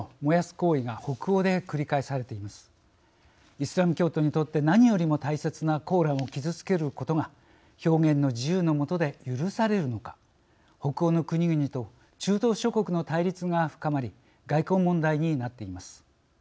イスラム教徒にとって何よりも大切な「コーラン」を傷つけることが表現の自由のもとで許されるのか北欧の国々と中東諸国の対立が深まり外交問題になっています。